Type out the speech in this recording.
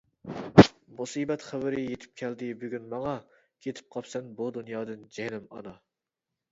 مۇسىبەت خەۋىرى يېتىپ كەلدى بۈگۈن ماڭا، كېتىپ قاپسەن بۇ دۇنيادىن جېنىم ئانا.